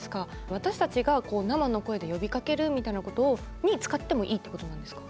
私たちが生の声で呼びかけるみたいなことに使ってもいいってことなんですか？